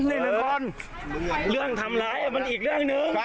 เรื่องทำไรมันอีกเรื่องนึง